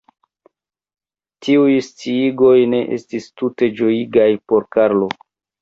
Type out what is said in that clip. Tiuj sciigoj ne estis tute ĝojigaj por Karlo.